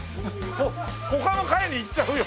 他の階に行っちゃうよ。